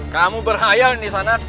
kamu berhayal di sana